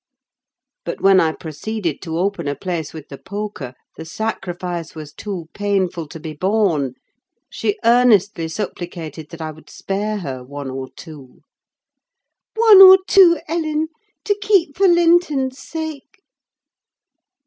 But when I proceeded to open a place with the poker the sacrifice was too painful to be borne. She earnestly supplicated that I would spare her one or two. "One or two, Ellen, to keep for Linton's sake!"